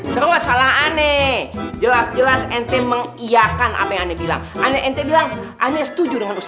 besok masalah ane jelas jelas ente meng von yang dia bilang ngebe kevin servants